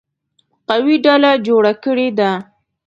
قوي ډله جوړه کړې ده.